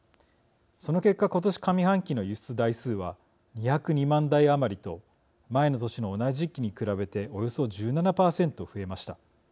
その結果今年上半期の輸出台数は２０２万台余りと前の年の同じ時期に比べておよそ１７％、増えました。